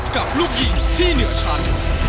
กับลูกยิงที่เหนือชั้น